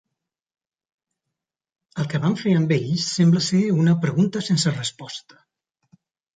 El que van fer amb ells sembla ser una pregunta sense resposta.